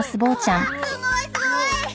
わあすごいすごい！